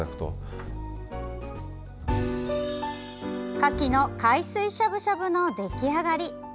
かきの海水しゃぶしゃぶの出来上がり。